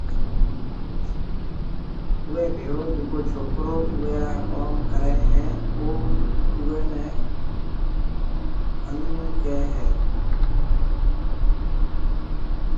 اوئيَ ڀيݪو جڪو ڇوڪرو اوئي را ڪوم ڪريَ ھيََََ اوئيَ ني انون ڪھيََََ ھيََََ